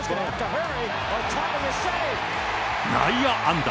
内野安打。